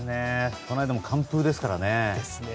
この間も完封ですからね。